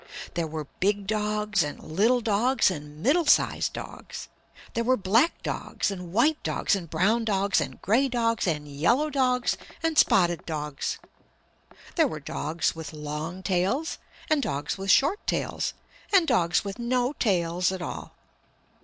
There were big dogs and little dogs and middle sized dogs. There were black dogs and white dogs and brown dogs and gray dogs and yellow dogs and spotted dogs. There were dogs with long tails and dogs with short tails and dogs with no tails at all.